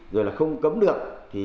rồi là không cấm được